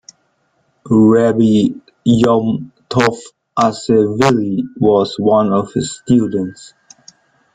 Rabbi Yom Tov Asevilli was one of his students.